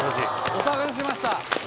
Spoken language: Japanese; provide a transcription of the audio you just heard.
お騒がせしました。